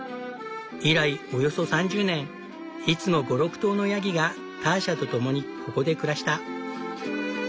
以来およそ３０年いつも５６頭のヤギがターシャと共にここで暮らした。